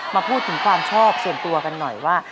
มาพูดถึงความชอบส่วนตัวกันหน่อยว่า